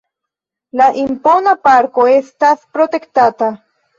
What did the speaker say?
La impona parko estas protektata.